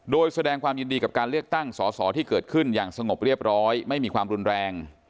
โดยแสดงความยินดีกับการเลือกตั้งสอสอที่เกิดขึ้นอย่างสงบเรียบร้อยไม่มีความรุนแรง